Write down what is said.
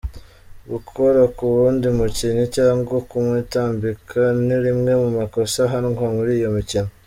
Gukora ku wundi mukinnyi cyangwa kumwitambika ni rimwe mu makosa ahanwa muri uyu mukino.